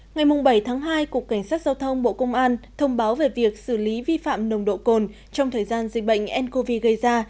ngày bảy tháng hai cục cảnh sát giao thông bộ công an thông báo về việc xử lý vi phạm nồng độ cồn trong thời gian dịch bệnh ncov gây ra